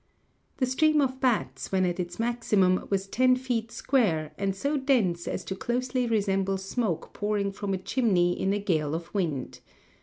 The stream of bats when at its maximum was ten feet square, and so dense as to closely resemble smoke pouring from a chimney in a gale of wind.